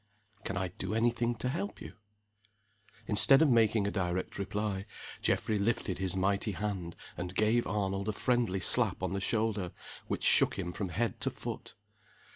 "Can I do any thing to help you?" Instead of making a direct reply, Geoffrey lifted his mighty hand, and gave Arnold a friendly slap on the shoulder which shook him from head to foot.